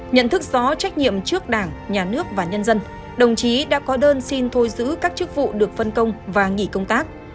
nhận thức rõ trách nhiệm trước đảng nhà nước và nhân dân đồng chí đã có đơn xin thôi giữ các chức vụ được phân công và nghỉ công tác